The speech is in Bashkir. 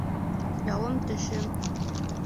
Яуым-төшөм